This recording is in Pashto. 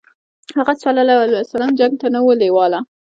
هغه ﷺ جنګ ته نه و لېواله.